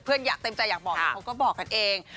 เพื่อนเต็มใจอยากบอกเขาก็บอกกันเอง